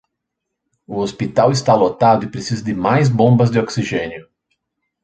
O hospital está lotado e precisa de mais bombas de oxigênio